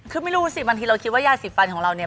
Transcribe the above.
คือไม่รู้สิบางทีเราคิดว่ายาสีฟันของเราเนี่ย